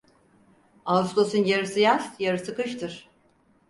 Ağustosun yarısı yaz, yarısı kıştır.